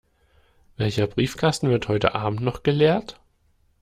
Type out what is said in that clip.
Welcher Briefkasten wird heute Abend noch geleert?